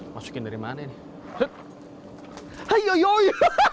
masukin dari mana ini